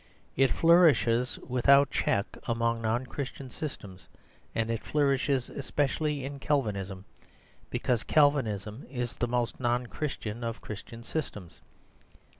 It flourishes without check among non Christian systems, and it flourishes especially in Calvinism, because Calvinism is the most non Christian of Christian systems.